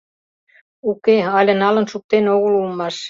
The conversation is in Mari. «Уке, але налын шуктен огыл улмаш.